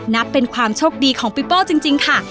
นับเป็นความโชคดีของปีโป้จริงค่ะ